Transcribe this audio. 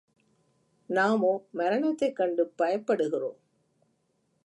நாமோ மரணத்தைக் கண்டு பயப்படுகிறோம்.